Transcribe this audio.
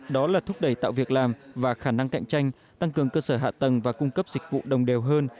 đó là thúc đẩy tạo việc làm và khả năng cạnh tranh tăng cường cơ sở hạ tầng và cung cấp dịch vụ đồng đều hơn